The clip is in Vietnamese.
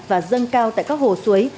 và dâng cao tại các hồ suối